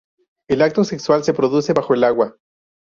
El acto sexual, se produce bajo el agua.